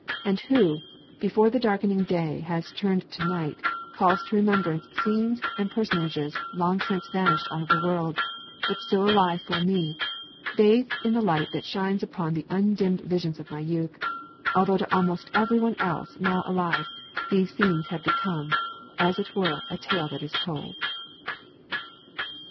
And who, before the darkening day has turned to night, calls to remembrance scenes and personages long since vanished out of the world, but still alive for me, bathed in the light that shines upon the undimmed visions of my youth although to almost every one else now alive these scenes have become 'as it were a tale that is told.'